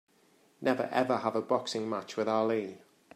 Never ever have a boxing match with Ali!